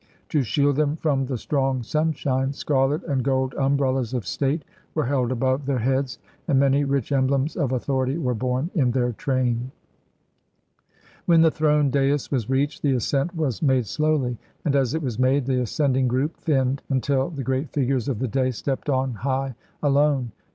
To shield them from the strong sunshine, scarlet and gold umbrellas of State were held above their heads, and many rich emblems of authority were borne in their train. When the throned dais was reached, the ascent was made slowly, and as it was made, the ascending group thinned, until the great figures of the day stepped on high, alone.